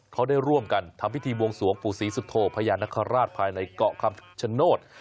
เขาได้ร่วมกันทำพิธีบวงสวงปู่ศรีสุโธพญานคราชภายในเกาะคำชโนธ